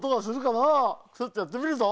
ちょっとやってみるぞ。